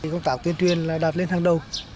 không tạo tuyên truyền là đạt lên tháng đầu